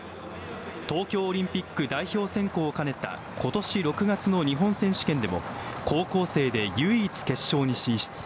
東京オリンピック代表選考を兼ねたことし６月の日本選手権でも高校生で唯一決勝に進出。